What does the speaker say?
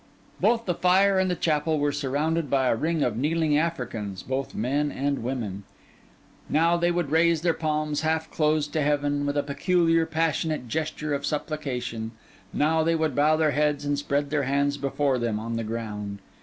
Both the fire and the chapel were surrounded by a ring of kneeling Africans, both men and women. Now they would raise their palms half closed to heaven, with a peculiar, passionate gesture of supplication; now they would bow their heads and spread their hands before them on the ground.